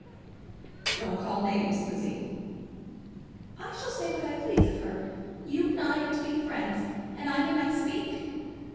"Don't call names, Lizzie." "I shall say what I please of her. You and I are to be friends, and I may not speak?